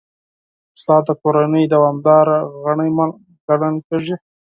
استاد د کورنۍ دوامدار غړی ګڼل کېږي.